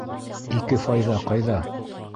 Ике файҙа ҡайҙа?